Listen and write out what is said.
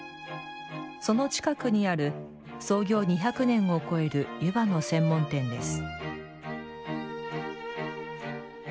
その近くにある、創業２００年を超える湯葉の専門店です。